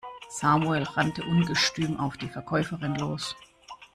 Samuel rannte ungestüm auf die Verkäuferin los.